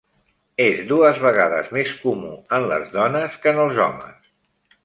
És dues vegades més comú en les dones que en els homes.